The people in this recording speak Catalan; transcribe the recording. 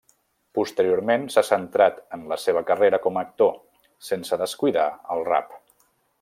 Posteriorment s'ha centrat en la seva carrera com a actor, sense descuidar el rap.